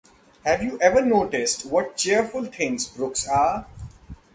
Have you ever noticed what cheerful things brooks are?